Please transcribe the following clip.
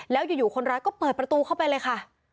แล้วอยู่คนร้ายก็เปิดประตูเข้าไปเลยค่ะ